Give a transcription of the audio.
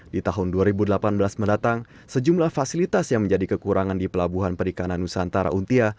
di tahun dua ribu delapan belas mendatang sejumlah fasilitas yang menjadi kekurangan di pelabuhan perikanan nusantara untia